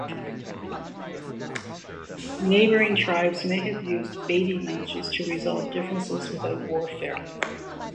Neighboring tribes may have used batey matches to resolve differences without warfare.